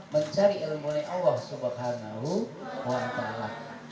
mencari ilmunya allah subhanahu wa ta'ala